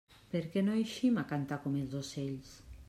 Per què no eixim a cantar com els ocells?